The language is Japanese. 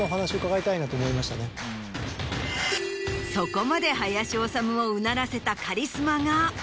そこまで林修をうならせたカリスマが。